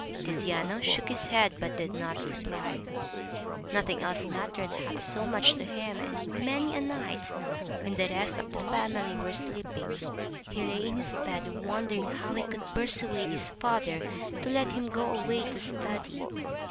Tiziano shook his head, but did not reply. Nothing else mattered half so much to him, and many a night, when the rest of the family were sleeping, he lay in his bed wondering how he could persuade his father to let him go away to study.